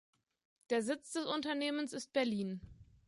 Der Sitz des Unternehmens ist Berlin.